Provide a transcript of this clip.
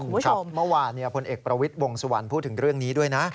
เมื่อวานพลเอกประวิทย์วงสุวรรณพูดถึงเรื่องนี้ด้วยนะ